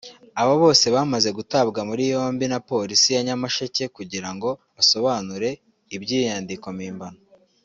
Aba bose bamaze gutabwa muri yombi na Polisi ya Nyamasheke kugira ngo basobanure iby’iyo nyandiko mpimbano